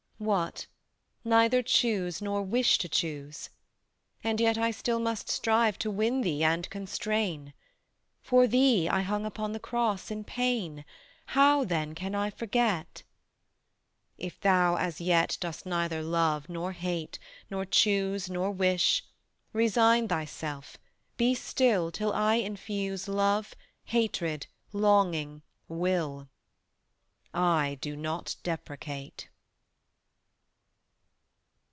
What, neither choose nor wish to choose? and yet I still must strive to win thee and constrain: For thee I hung upon the cross in pain, How then can I forget? If thou as yet dost neither love, nor hate, Nor choose, nor wish, resign thyself, be still Till I infuse love, hatred, longing, will. I do not deprecate.